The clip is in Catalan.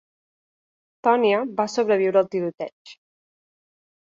Tonya va sobreviure al tiroteig.